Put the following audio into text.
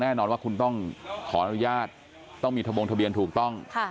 แน่นอนว่าคุณต้องขออนุญาตต้องมีทะบงทะเบียนถูกต้อง